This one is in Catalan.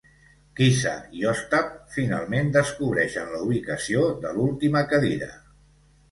Kisa i Ostap finalment descobreixen la ubicació de l"última cadira.